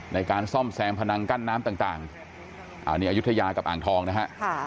ในการซ่อมแซมพนังกั้นน้ำต่างอันนี้อายุทยากับอ่างทองนะฮะ